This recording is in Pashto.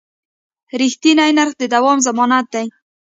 رښتیني نرخ د دوام ضمانت دی.